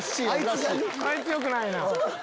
あいつよくないな。